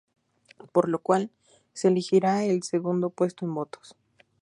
Por lo cual, se elegirá el segundo puesto en votos.